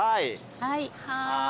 はい。